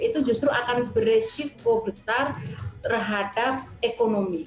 itu justru akan beresiko besar terhadap ekonomi